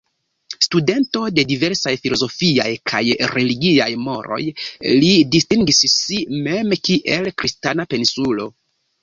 Studento de diversaj filozofiaj kaj religiaj moroj, li distingis si mem kiel Kristana pensulo.